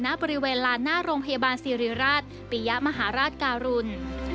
ณปริเวลาณโรงพยาบาลสิริราชปริยะมหาราชการุล